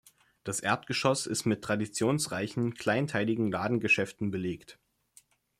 Das Erdgeschoss ist mit traditionsreichen, kleinteiligen Ladengeschäften belegt.